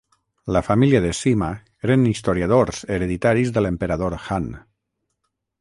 La família de Sima eren historiadors hereditaris de l'emperador Han.